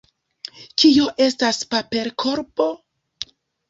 Kio estas paperkorbo?